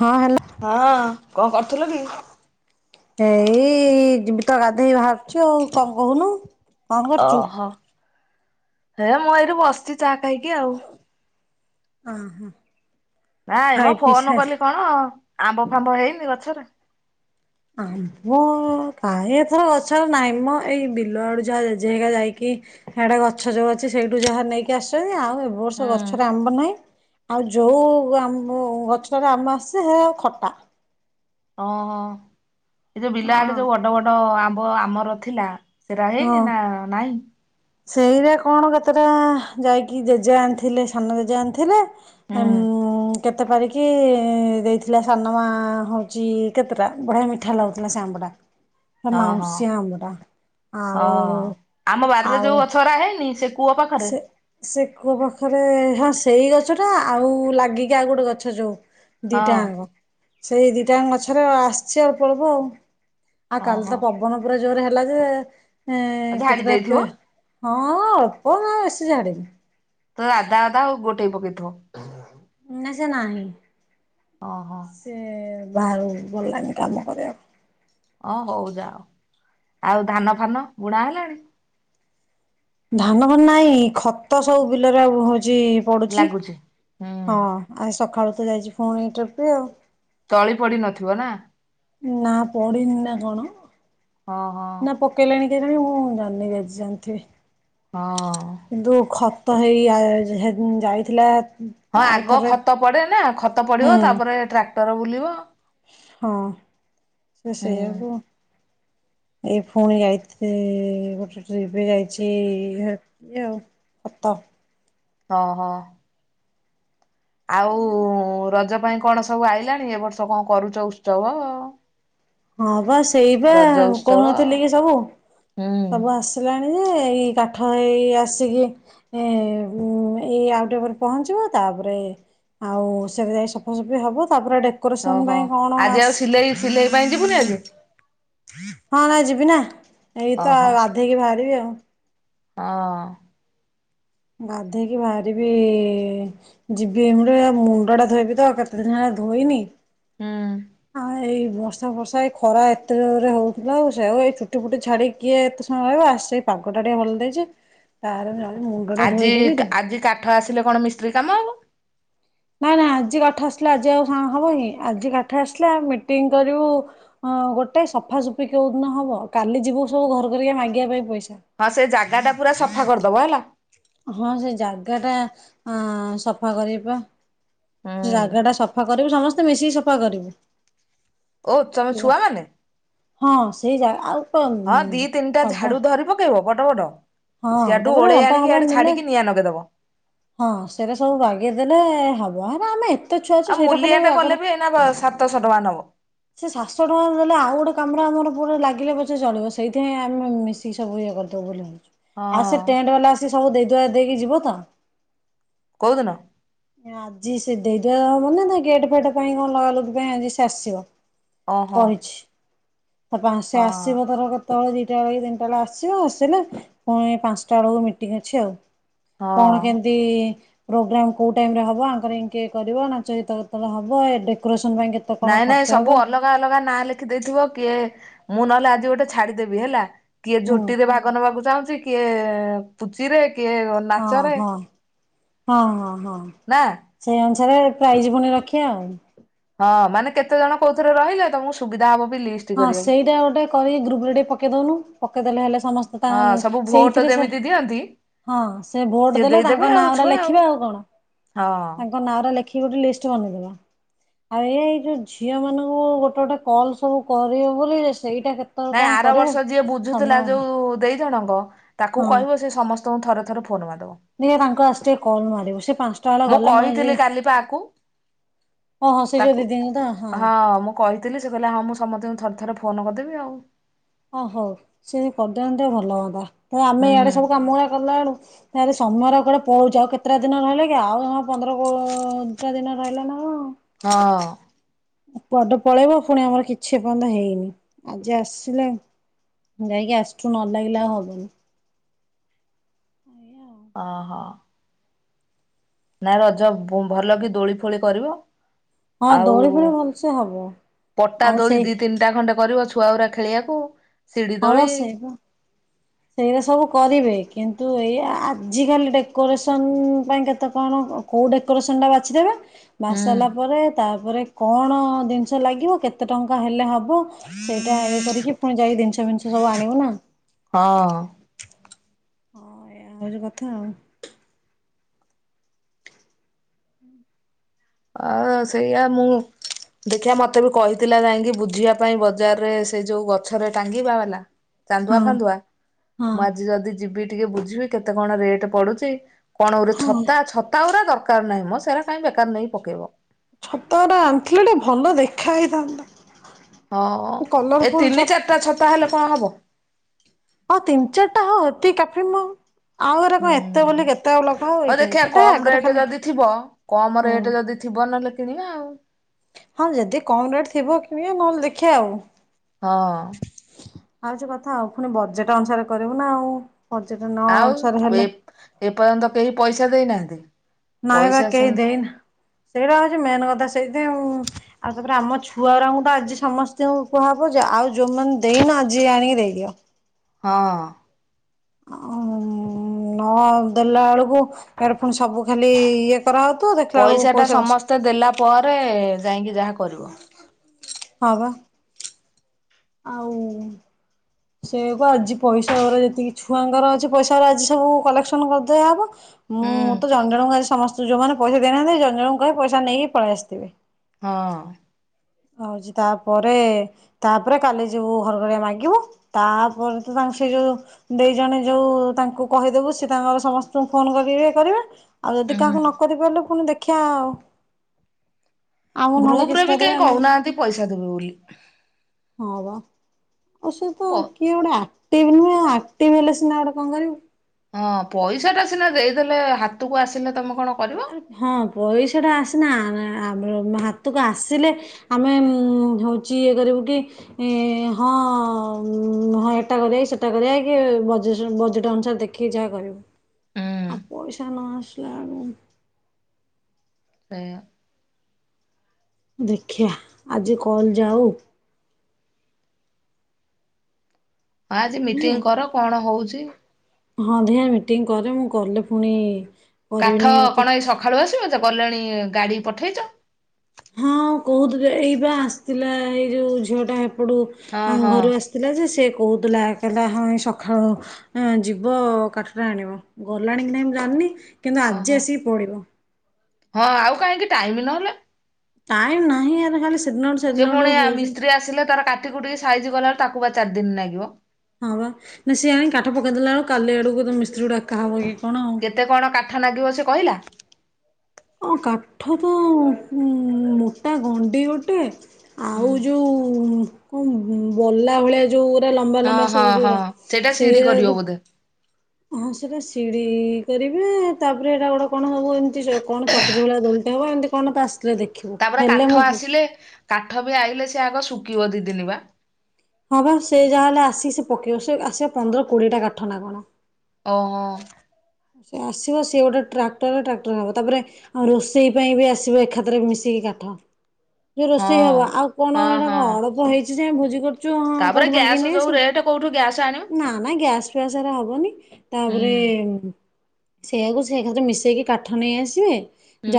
ହଁ ହାଲୋ। ହଁ କଣ କରୁଥୁଲୁ କି? ଏଇ ଯିବିତ ଗାଧୋଇେ ବାହାରୁଛି ଆଉ କଣ କହୁନୁ? କଣ କରୁଛୁ? ଓହୋ ହେ ମୁଁ ଏଇଠୁ ବସିଚି ଚାହା ଖାଇକି ଆଉ। ହ ହଁ। ନାଇଁମ ଫୋନ କଲି କଣ ଆମ୍ବ ଫାମ୍ବ ହେଇନି ଗଛରେ? ଆମ୍ବ କାହିଁ ଏଥର ଗଛ ନାଇଁ ମ ଏଇ ବିଲ ଆଡୁ ଯାହା ଜେଜେ ହିକା ଯାଇକି। ସାଡେ ଗଛ ଯୋଉ ଅଛି ସେଇଠୁ ଯାହା ନେଇକି ଆସିଛନ୍ତି ଆଉ ସବ ବର୍ଷ ହୁଁ ଗଛରେ ଆମ୍ବ ନାହିଁ ଆଉ ଯୋଉ ଆମ୍ବ ଗଛଟାରେ ଆମ୍ବ ଆସେ ସେ ଖଟା। ଓହୋ ଏ ଯୋଉ ବିଲା ଆଡେ ହଁ ଯୋଉ ବଡ ବଡ ଆମ୍ବ ଆମର ଥିଲା ସେଟା ହେଇନି ନା ନାହିଁ। ସେଇରେ କଣ କେତେଟା ଯାଇକି ଜେଜେ ଆଣିଥିଲେ ସାନ ଜେଜେ ଆଣିଥିଲେ ହୁଁ ଉଁ କେତେ ପାରିକି ଦେଇଥିଲା ସାନମା ହଉଛି କେତେଟା ବଢ଼ିଆ ମିଠା ଲାଗୁଥିଲା ସେ ଆମ୍ବ [inaudible] ମାଉଁସୀ ଆମ୍ବଟା ଆଉ ହଁ ଆମ ବାାରରେ ଆଉ ଯୋଉ ଗଛରା ହେଇନି ସେ କୂଅ ପାଖରେ ସେ। ସେ କୂଅ ପାଖରେ ହଁ ସେଇ ଗଛ ଟା ଆଉ ଲାଗିକି ଆଉ ଗୋଟେ ଗଛ ଯୋଉ ହଁ। ଦିଟାଙ୍କ ସେଇ ଦିଟାଙ୍କ ଗଛରେ ଆସିଛି ଅଳ୍ପ ଅଳ୍ପ ଆଉ। ଆଉ କାଲି ଓହୋ ତ ପବନ ପୁରା ଜୋରେ ହେଲା ଯେ ଝାଡି କେତେଟାଏ ଦେଇଥିବ ତେ ହଁ ହ ଉ ବେଶୀ ଜାଡ଼େନି। ତୋ ଅଧା ଅଧା ଆଉ ଗୋଟେ ପକେଇଥିବ। ଏଇନା ସେ ନାହିଁ। ଓହୋ। ସେ ବାହାରୁ ଗଲାଣିି କାମ କରିବାକୁ। ଓଁ ହଉ ଯାଅ ଆଉ ଧାନ ଫାନ ବୁଣା ହେଲାଣି। ଧାନ ଭାନ ନାହିଁ ଖତ ସବୁ ବିଲରେ ଆଉ ହଉଛି ପଡୁଛି ଲାଗୁଛି ହୁଁ। ହଁ। ଆ ସକାଳୁ ତ ଯାଇଛି ଫୁଣି ଏଇଟ୍ରିଫ ଆଉ। ତଳି ପଡି ନଥିବ ନା। ନା ପଡିିନି ନା କଣ? ହଁ ହଁ। କେଇିଲଣି କେିଲଣି ମୁଁ ଜାଣିନି ଜେଜ ଜାଣିଥିବି। ହଁ। ଯୋଉ ଖତ ହେଇ ଯାଇଥିଲା। ହଁ ଆଉ ଆଗ ଥରେ ଖତ ପଡେ ନା ଖତ ହୁଁ ପଡିବ ତାପରେ ଟ୍ରାକ୍ଟର ବୁଲିବ। ହଁ ସେଇଆ ହୁଁ। ହୁଏ। ଏଇ ପୁଣି ଯାଇି ଗୋଟେ ଟ୍ରିପ ଯାଇଛି ଆଉ। ଖତ ହଁ ହଁ। ଆଉ ରଜ ପାଇଁ କଣ ସବୁ ଆଇଲାଣି ଏ ବର୍ଷ କଣ କରୁଛ ଉତ୍ସବ ଆଉ? ହଁ ବା ସେଇ ବା ଉତ୍ସବ କହୁନଥିଲି କି ସବୁ ହୁଁ। ସବୁ ଆସ ଆସିଲାଣି ଯେ ଏଇ କାଠ ହେଇ ଆସିକି। ଏ ଏଇ ଆଉଟେ ଉପରେ ପହଞ୍ଚିବ ତାପରେ ଆଉ ସେବେ ଯାଇ ସଫାସଫି ହବ ତାପରେ ଡେ ଓହୋ ଆଜି ଆଉ ସିଲେଇ ସିଲେଇ ପାଇଁ ଯିବୁନି ଆଜି। ହଁ ନାଇ ଯିବି ନା ଏଇ ତ ଓହୋ ଗାଧେଇକି ବାହାରିବି ଆଉ। ହଁ। ଗାଧେଇକି ବାହାରିବି ଯିବି ଏମ ମୁଣ୍ଡ ଟା ଧୋଇବି ତ କେତେ ଦିନ ହେଲା ଧୋଇନି। ହୁଁ। ହଁ ଏଇ ବର୍ଷା ଫର୍ଷା ଏଇ ଖରା ଏତେରେ ହଉଥିଲା ଆଉ ସେଉ ଏଇ ଚୁଟି ଫୁଟି ଛାଡିକ। କିଏ ଏତେ ସମୟ ରହିବ ଆ ସେଇ ପାଗ ଟା ଟିକେ ଭଲ ଦେଇଛି ତାର ମୁଣ୍ଡ ଟା ଧୋଇଦେବି। ଠା ଆସିଲେ କଣ ମିସ୍ତ୍ରୀ କାମ ହବ। ନା ନା ଆଜି କାଠ ଆସିଲା ଆଜି ଆଉ କଣ ହବ କିଁ ଆଜି କାଠ ଆସିଲା ମିଟିଂ କରିବୁ। ହଁ ଗୋଟେ ସଫାସଫି କୋଉଦିନ ହବ କାଲି ଯିବୁ ସବୁ ଘର କରିକି ମାଗିବା ପାଇଁ ପଇସା। ହଁ ସେ ଜାଗା ଟା ପୁରା ସଫା କରିଦବ ହେଲା। ହଁ ସେ ଜାଗା ଟା ଅ ସଫା କରିବା ପା। ସେ ହୁଁ ଜାଗା ଟା ସଫା କରିବୁ ସମସ୍ତେ ମିଶିକି ସଫା କରିବୁ। ଓ ତମେ ଛୁଆମାନେ? ହଁ ସେଇ ଜାଗ ଆଉ କଣ ହଁ ଦି ତିନିଟା ସବ ଝାଡୁ ଧରି ପକେଇବ ବଡ ବଡ ହଁ ସିଆଡୁ ତାପରେ ଓଳେଇ ରମ୍ପା ଆଣିକି ଫମ୍ପା ଇଆଡୁ ନେଲେ ଛାଡିକି ନିଆଁ ଲଗେଇଦବ। ହଁ ସେଇଟା ସବୁ ବାଗେଇଦେଲେ ହବ ହେଟା ଆମେ ଏତେ ଛୁଆ ଅଛୁ ସେଇଟା ଖାଲି ଆଗଟା ନ ସାତଶହ ଟଙ୍କା ନବ। ସେ ସାତଶହ ଟଙ୍କା ଦେଲେ ଆଉ ଗୋଟେ କାମରେ ଆମର ପୁରା ଲାଗିଲେ ପଛେ ଚଳିବ ସେଇଥିପାଇଁ ଆମେ ମି ସବୁ ଇଏ କରିଦବୁ ବୋଲି ଭାବଛୁ ଆଉ ସେ ହଁ ଟେଣ୍ଟ ବାଲା ଆସି ସବୁ ଦେଇଦୁଆ ଦେଇକି ଯିବ ତ କୋଉ ଦିନ? ଆଜି ସେ ଦେଇ ଦୁଆ ହବ ନା ନାଇ ଗେଟ ଫେଟ ପାଇଁ କଣ ଲଗାଲଗି ପାଇଁ ଆଜି ସେ ଆସିବ। ଓହୋ। [unintelligible] ଆସେ ହଁ ଅସିବ ତଳେ ଦୁଇଟା ବେଳ କି ତିନିଟା ବେଳ ଆସିବ ଆସିଲେ ପୁଣି ପାଞ୍ଚଟା ବେଳକୁ ମିଟିଂ ଅଛି ଆଉ କଣ ହଁ। କେମତି ପ୍ରୋଗ୍ରାମ? କୋଉଁ ଟାଇମରେ ହେବ ଆଙ୍କରିଙ୍ଗ କିଏ କରିବ ନାଚ ଗୀତ କେତେତେଳେ ହେବ ଏ ଡେକୋରେସନ୍ ପାଇଁ କେତ ନାଇଁ ନାଇଁ ସବୁ ଅଲଗ ଅଲଗା ଅଲଗା ନାଁ ଲେଖି ଦେଇଥିବ କିଏ ମୁଁ ନହେଲେ ଆଜି ଗୋଟେ ଛାଡିଦେବି ହେଲା। କିଏ ହୁଁ ଝୋଟିରେ ଭାଗ ନେବାକୁ ଚାହୁଁଛି କିଏ ପୁଚିରେ କିଏ ହଁ ନାଚରେ ହଁ ହଁ ହଁ ହଁ। ନା। ସେଇ ଅନୁସାରେ ପ୍ରାଇଜ ପୁଣି ରଖିବା ଆଉ। ହଁ ମାନେ କେତେ ଜଣ କୋଉଥିରେ ରହିଲେ ତମକୁ ସୁବିଧା ହବ ଲିଷ୍ଟ ହଁ କରିବାକୁ। ସେଇଟା ଗୋଟେ କରିିକି ଗ୍ରୁପରେ ଟିକେ ପକେଇ ଦଉନୁ ପକେଇଦେଲେ ହେଲେ ସମସ୍ତେ ତା ହଁ ସବୁ ସେଇ ଭୋଟ ଯେମିତି ଦିଅନ୍ତି। ହଁ ସେ ଭୋଟ ସିଏ ଦେଲେ ଦେଇଦେବେ ତାଙ୍କ ଆଉ ନାଁଗୁଡା ଛୁଆ ଲେଖିବେ ଆଉ କଣ ହଁ ତାଙ୍କ ନାଁ ଗୁଡା ଲେଖି ଗୋଟେ ଲିଷ୍ଟ ବନେଇଦବା ଆଉ ଏ ଏଇ ଯୋଉ ଝିଅ ମାନଙ୍କୁ ଗୋଟେ ଗୋଟେ କଲ ସବୁ କରିବ ବୋଲି ସେଇଟା କେତ ନାଇଁ ଆର ବର୍ଷ ଯିଏ ବୁଝୁଥିଲା ଯୋଉ ଦେଇ ଜଣଙ୍କ ତାକୁ କହିବ ସେ ସମସ୍ତ ତଙ୍କୁ ଥରେ ଥରେ ଫୋନ୍ ମାରି ଦବ। ତାଙ୍କ [unintelligible] ମୁଁ କହିଥିଲି କାଲି ପା ଆକୁ ଓହୋ ସେ ଯୋଉ ତାକୁ ଦିଦିଙ୍କୁ ତ ହଁ ମୁଁ କହିି ଥିଲି ସେ କହିଲା ହଁ ମୁଁ ସମସ୍ତଙ୍କୁ ଥରେ ଥରେ ଫୋନ କରିଦେବି ଆଉ। ଓ ହଉ ସିଏ ଯଦି କରିଦଅନ୍ତେ ଭଲ ହୁଅନ୍ତା ତ ଆମେ ହୁଁ ଇଆଡେ ହୁଁ ସବୁ କାମ ଗୁଡା କଲା ବେଳୁ ଆରେ ସମୟ ଗୁରା କୁଆଡେ ପଳଉଛି ଆଉ କେତେଟା ଦିନ ରହିଲା କି ଆଉ ପନ୍ଦର କୋଡ଼ିଏଟା ଦିନ ରହିଲା ନାଁ କଣ? ହଁ। କୁଆଡେ ପଳେଇବ ପୁଣି ଆମର କିଛି ଏ ପର୍ଯ୍ୟନ୍ତ ହେଇନି ଆଜି ଆସିଲେ ଯାଇକି ଆଜିଠୁ ନ ଲାଗିଲେ ଆଉ ହବନି। ଅ ହ। ନାଇଁ ରଜ ଭଲ କି ଦୋଳି ଫୋଳି କରିବ। ହଁ ଆଉ ଦୋଳି ଫୋଳି ଭଲସେ ହବ ପଟା ଆଉ ଦୋଳି ସେଇ ଦି ତିନି ଟା ଖଡେ କରିବ ଛୁଆଗୁଡ଼ା ଖେଳିବାକୁ। ସିଡି ହଁ ଦୋଳି ସେଇବା। ସେଇରା ସବୁ କରିବେ କିନ୍ତୁ ଏଇଆ ଆଜିକାଲି ଡେକୋରେସନ ପାଇଁ କେତେ କଣ? କୋଉ ଡେକୁରେସନ ଟା ବାଛି ଦେବେ। ବାଛି ହୁଁ ସାରିଲା ପରେ ତାପରେ କଣ ଜିନିଷ ଲାଗିବ କେତେ ଟଙ୍କା ହେଲେ ହବ? ହବ ସେଇଟା ଇଏ କରିକି ପୁଣି ଯାଇ ଜିନିଷ ମିନିଷ ହଁ। ହଁ ଏ ହଉଛି କଥା ଆଉ। ଆ ସେଇଆ ମୁଁ ଦେଖିିବା ମତେ ବି କହିଥିଲା ଯାଇକି ବୁଝିବା ପାଇଁ ବଜାରରେ ସେ ଯୋଉ ଗଛରେ ଟାଙ୍ଗିବା ବାଲା ଚାନ୍ଦୁଆ ହଁ ଫାନ୍ଦୁଆ ହଁ। ମୁଁ ଆଜି ଯଦି ଯିବି ଟିକେ ବୁଝିବି କେତେ କଣ ରେଟ ପଡୁଛି? କଣ ଗୋଟେ ହଁ ଛତା ଛତା ଗୁରା ଦରକାର ନାହିଁ ମ ସେଇରା କାଇଁ ବେକାର ନେଇ ପକେଇବ। ଛତା ଗୁରା ଆଣିଥିଲେ ଟିକେ ଭଲ ଦେଖା ହେଇଥାନ୍ତା। ହଁ ଏ କଲରଫୁଲ୍ ଛ ତିନି ଚାରିଟା ଛତା ହେଲେ କଣ ହବ? ହଁ ତିନି ଚାରିଟା ହୋଉ ଏତିକି କାଫି ମ ଆଉ ଏ ରା କଣ ହୁଁ। ଏତେ ବୋଲି କେତେ ଲଗା ହବ କି ହଉ ଏଇ ତିନି ଦେଖିବା ଚାରଟା କମ ଆଗରେ ରେଟ୍ ଖାଲି ହୁଁ। ଯିବ ନହେଲେ କିଣିବା ଆଉ। ହଁ ଯଦି କମ ରେଟ୍ ଥିବ କିଣିବା ନହେଲେ ଦେଖିବା ଆଉ। ହଁ। ଆଉ ଯୋ କଥା ଆଉ ପୁଣି ବଜେଟ ଅନୁସାରେ କରିବୁ ନା ଆଉ। ପର୍ଯ୍ୟଟନ ଆଉ ଏ ଏପର୍ଯ୍ୟନ୍ତ କେହି ପଇସା ଦେଇନାହାନ୍ତି। ନାଇଁ ବା ପଇସା କେହି ସିନା ଦେଇନ ସେଇରା ହଉଛି ମେନ୍ କଥା ସେଇଥି ଆଉ, ଆଉ ତାପରେ ଆମ ଛୁଆ ଗୁରାଙ୍କୁ ତ ଆଜି ସମସ୍ତଙ୍କୁ କୁହାହବଆ ଯେ ଆଉ ଯୋଉମାନେ ଦେଇନ ଆଜି ଆଣିକି ଦେଇଦିଅ। ହଁ। ହଁ ନ ଦେଲା ବେଳକୁ ଏୟାଡୁ ଫୁଣି ସବୁ ଖାଲି ଇଏ କରାହୋଉଥିବ ଦେ ପଇସା ଟା ସମସ୍ତେ ଦେଲା ପରେ ଯାଇକି ଯାହା କରିବ। ହଁ ବା। ଆଉ ସେଇବା ଆଜି ପଇସା ଗରେ ଯେତିକି ଛୁଆଙ୍କର ଅଛି ପଇସା ଗରେ ଆଜି ସବୁ କଲେକ୍ସନ କରିଦିଆହେବ। ମୁଁ ତ ଜଣ ଜଣ ଙ୍କୁ ଆଜି ସମସ୍ତେ ଯେଉଁମାନେ ପଇସା ଦେଇନାହାନ୍ତି ଜଣ ଜଣ କହିବି ପଇସା ନେଇକି ପଳାଇ ଆସିଥିବେ। ହଁ। ହଉଛି ତାପରେ ତାପରେ କାଲି ଯିବୁ ଘର ଘରେଆ ମାଗିବୁ ତାପରେ ତ ତାଙ୍କ ସେ ଯୋଉ ଦେଇ ଜଣେ ଯୋଉ ତାଙ୍କୁ କହିଦେବୁ ସେ ତାଙ୍କର ସମସ୍ତଙ୍କୁ ଫୋନ କରିବେ କରିବେ। ଆଉ ଯଦି କାହାକୁ ନ କରିପାରିଲେ ପୁଣି ଦେଖିବା ଆଉ। ଆମକୁ ନହେଲେ ଗ୍ରୁପରେ କିଛିଟା ବି ଦେବେ କେହି ଆମେ କହୁନାହାନ୍ତି ପଇସା ଦେବେ ବୋଲି। ହଁ ବା ଅଉ ସିଏ ତ ପ କିଏ ଗୋଟେ ଆକ୍ଟିଭ ନୁହେଁ ଆକ୍ଟିଭ୍ ହେଲେ ସିନା ଗୋଟେ କଣ କରିବୁ। ହଁ ପଇସା ଟା ସିନା ଦେଇଦେଲେ ହାତକୁ ଆସିଲେ ତମେ କଣ କରିବ। ଆରେ ହଁ ପଇସା ଟାସ୍ନା ଆ ହାତକୁ ଆସିଲେ ଆମେ ଉମ ହଉଚି ଇଏ କରିବୁ କି ଏଁ ହଁ ହଁ ଏଟା କରିବା ସେଟା କରିବା କି ବଜେସ ବଜେଟ୍ ଅନୁସାରେ ଦେଖ ଖିକି ଯା କରିବୁ ଆଉ ପଇସା ନ ଆସିଲା ଆଳୁ ସେଇଆ। ଦେଖିବା ଆଜି କଲ୍ ଯାଉ ହଁ ଆଜି ମିଟିଂ କର କଣ ହଉଚି ହଁ ଦେ ମିଟିଂ କରେ ମୁଁ କଲେ ପୁଣି କରିବିନି କାଠ କି ତତେ କଣ ଏଇ ସକାଳୁ ଆସିବ ଜ ଗଲେଣି ଗାଡି ପଠେଇଚ? ହଁ କହୁଥିଲ ଏଇ ବା ଆସିଥିଲା ଏଇ ଯୋଉ ଝିଅ ଟା ହେପଟୁ ହଁ ହଁ ଘରୁ ଆସି ଥିଲା ଯେ ସିଏ କହୁଥିଲା କଇଲା ହଁ ଏ ସଖାଳୁ ହଁ ଯିବ କାଠଟା ଆଣିବ ଗଲାଣି କି ନାହିଁ ମୁ ଜାଣିନି କିନ୍ତୁ ଓହୋ ଆଜି ଆସିକି ପଡିବ। ହଁ ଆଉ କାହିଁକି ଟାଇମ ନହଲେ। ଟାଇମ ନାହିଁ ଆରେ ଖାଲି ସେଦିନ ଠୁ ପୁଣିଆ ମିସ୍ତ୍ରୀ ଆସିଲେ ତାର କାଠିକୁ ଟିକେ ସାଇଜ କଲାଟୁ ତାକୁ ବା ଚାରି ଦିନ ନାଗିବ। ହଁ ବା ନା ସେ ସଏ ଆଣଣି କଠ ପେଇଦେଲା ବେ କାଲି ଆଡକୁ ତମ ମିସ୍ତ୍ରୀ କୁଡା ହବ କି କଣ ଆଉ। [unintelligible] କଣ କାଠ ନାଗିବ ସେ କହିଲା? ହଁ କାଠ ତ ଉମ ମୋଟା ଗଣ୍ଡି ଗୋଟେ ଆଉ ହୁଁ ଯୋଉ କଣ ବଲା ଭଳିଆ ଯଉରା ଲମ୍ବା ହଁ ଲମ୍ବା ହଁ ସବୁ ଯଉରା ହଁ ସେଇଟା ସିଡି କରିବ ସେଇରା ବୋଧେ ହଁ ସେଟା ସିଡି କରିବେ ତାପରେ ଏଇଟା ଗୋଟେ କଣ ହବୁ ଏମିତି କଣ ଚକିରିୀ ଭଳିଆ ଦୋଲଟା ହବ ଏମତି କନ ଆସିଲ ଦେଖି ତାପରେ କାଠ ଆସିଲେ କାଠ ବି ଆଇିଲେ ସେ ଆଗ ଶୁଖିବ ଦି ଦିନ ବା ହଁ ବା ସେ ଯାହାହେଲେ ଆସିକି ସେ ପକେଇବ ସେ ଆସିବା ପନ୍ଦର କୋଡିଏ ଟା କାଠ ନା କଣ? ଓହୋ। ସେ ଆସିବ ସିଏ ଗୋଟେ ଟ୍ରାକ୍ଟର ଟ୍ରାକ୍ଟର ହବ ତାପରେ ଆଉ ରୋଷେଇ ପାଇଁ ବି ଆସିବ ଏକାଥରେ ମିଶିକି କାଠ। ଯଉ ହଁ। ରୋଷେଇ ହବ ଆଉ କଣ ହଁ ଏଇଟା ହଁ କଣ ଅଳପ ହେଇଚି ସେ ଭୋଜି କରୁଚୁ ହଁ କୋଉଠୁ ମାଗି କି ନେ ଜଉ ରେଟ କୋଉଠୁ ଗ୍ୟାସ୍ ଆଣିବୁ। ନା ନା ଗ୍ୟାସ ଫ୍ୟାସ ହବନି ତାପରେ ହୁଁ ସେଇଆକୁ ସେ ଏକାଥରେ ମିଶେଇକି କାଠ ନେଇ ଆସିବେ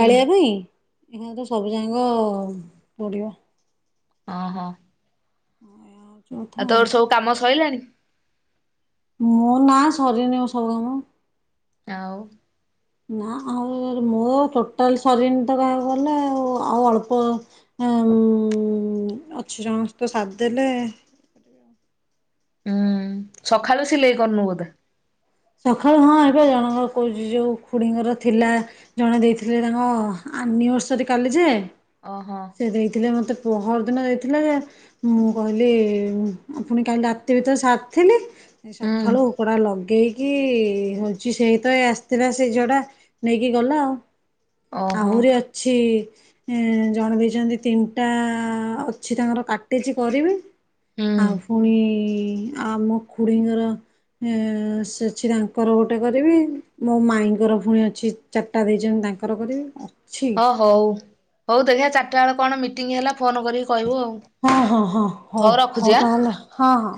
ଜାଳିବା ପାଇଁ। ଏକାଥରେ ସବୁଜାଙ୍କ ପଡିବ। ଅଁ ହଁ। ହଉଛି କଥା ଆଉ ତୋର ସବୁ କାମ ସଇଲାଣି? ମୋ ନାଁ ସରିନି ସବୁ କାମ। ଆଉ। ନା ଆଉ ମୋ ଟୋଟାଲ ସରିନ ତ କହାକୁ ଗଲେ ଆଉ ଆଉ ଅଳ୍ପ ଏ ଉମମ୍ ଅଛି ଜଣକ ସହିତ ସର ଦେଲେ ହୁଁ ସକାଳୁ ସିଲେଇ କରନୁ ବୋଧେ? ସକାଳୁ ହଁ ହେଇପା ଜଣଙ୍କର କହୁଚି ଯୋଉ ଖୁଡିଙ୍କର ଥିଲା ଜଣେ ଦେଇଥିଲେ ତାଙ୍କ ଆନିଭର୍ସରୀ କାଲି ଯେ ଅହୋ ସେ ଦେଇଥିଲେ ମୋତେ ପହରଦିନ ଦେଇଥିଲେ ଯେ ମୁଁ କହିଲି ଆପୁଣି କାଲି ରାତି ଭିତରେ ସାରିଥିଲି ହୁଁ ସଖଳୁ ହୁକଡ଼ା ଲଗେଇ କି ହଉଚି ସେ ତ ଏ ଆସିଥିଲା ସେଇ ଝଡା ନେଇକି ଗଲା ଆଉ। ଓହୋ ଆହୁରି ଅଛି ଏଁ ଜଣେ ଦେଇଛନ୍ତି ତିନିଟା ଅଛି ତାଙ୍କର କାଟିଛି କରିବି। ହୁଁ ଆଉ ପୁଣି ଆମ ଖୁଡିଙ୍କର ଏ ସେ ଅଛି ତାଙ୍କର ଗୋଟେ କରିବି ମୋ ମାଇଁ ଙ୍କର ପୁଣି ଅଛି ଚାରିଟା ଦେଇଛନ୍ତି ତାଙ୍କର କରିବି। ଅଛି ହଁ ହଉ ହଉ ଦେଖିବା ଚାରିଟା ବେଳେ କଣ ମିଟିଂ ହେଲା ଫୋନ କର ବି। ହଁ ହଁ ହଁ ହଉ ରଖୁଛି ହଉ ଆଁ। ତାହେଲେ ହଁ ହଁ।